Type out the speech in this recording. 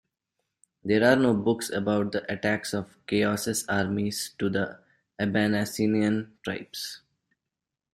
There are no books about the attacks of Chaos's armies to the Abanasinian tribes.